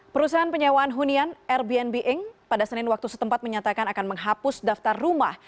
perusahaan penyewaan hunian airbnb ink pada senin waktu setempat menyatakan akan menghapus daftar rumah